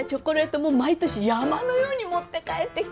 もう毎年山のように持って帰ってきて。